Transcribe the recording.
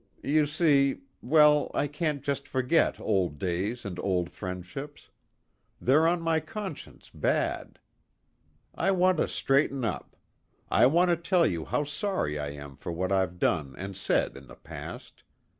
You see well, I can't just forget old days and old friendships. They're on my conscience bad. I want to straighten up. I want to tell you how sorry I am for what I've done and said in the past.